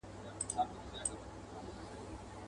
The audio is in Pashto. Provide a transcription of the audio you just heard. راته راکړۍ څه ډوډۍ مسلمانانو.